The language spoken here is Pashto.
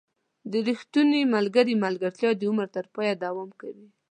• د ریښتوني ملګري ملګرتیا د عمر تر پایه دوام کوي.